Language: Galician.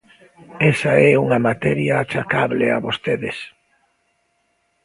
Esa é unha materia achacable a vostedes.